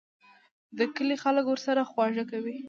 د کلي خلک ورسره خواږه کوي.